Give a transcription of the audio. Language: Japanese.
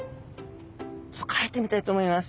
ちょっと書いてみたいと思います。